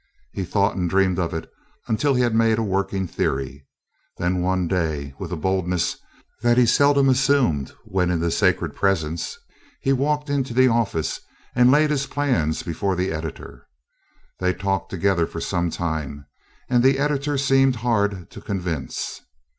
He thought and dreamed of it until he had made a working theory. Then one day, with a boldness that he seldom assumed when in the sacred Presence, he walked into the office and laid his plans before the editor. They talked together for some time, and the editor seemed hard to convince.